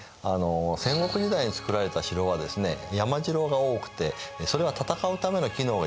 戦国時代に造られた城は山城が多くてそれは戦うための機能が優先なんですね。